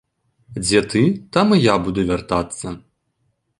Дзе ты, там і я буду вяртацца.